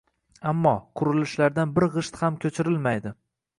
Ammo, qurilishlardan bir g`isht ham ko`chirilmaydi